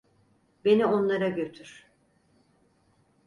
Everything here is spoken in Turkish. Beni onlara götür.